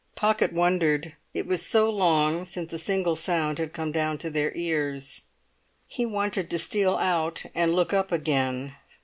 Pocket wondered; it was so long since a single sound had come down to their ears. He wanted to steal out and look up again.